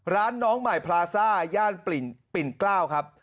น้องใหม่พลาซ่าย่านปิ่นกล้าวครับ